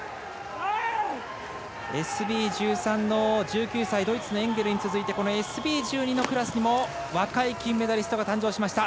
ＳＢ１３の１９歳ドイツのエンゲルに続いてＳＢ１２にも若い金メダリストが誕生しました。